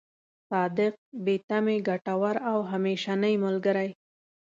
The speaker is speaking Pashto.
صادق، بې تمې، ګټور او همېشنۍ ملګری.